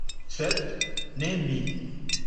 Sed ne mi.